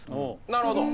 なるほど。